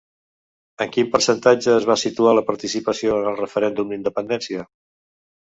En quin percentatge es va situar la participació en el referèndum d'independència?